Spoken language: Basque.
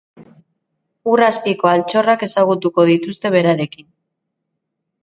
Ur azpiko altxorrak ezagutuko dituzte berarekin.